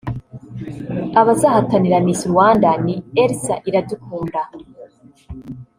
abazahatanira Miss Rwanda ni Elsa Iradukunda